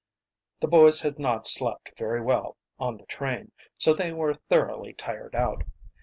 The boys had not slept very well on the train, so they were thoroughly tired out.